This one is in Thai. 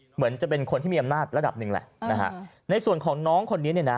เหมือนจะเป็นคนที่มีอำนาจระดับหนึ่งแหละนะฮะในส่วนของน้องคนนี้เนี่ยนะ